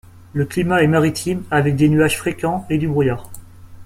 Le climat est maritime, avec des nuages fréquents et du brouillard.